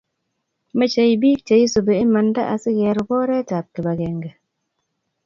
mechei biik che isubi imanda asikerub oretab kibagenge